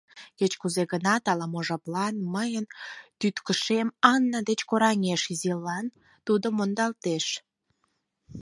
Кеч-кузе гынат ала-мо жаплан мыйын тӱткышем Анна деч кораҥеш, изишлан тудо мондалтеш.